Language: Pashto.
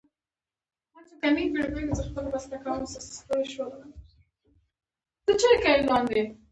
جګړې دې ورکې شي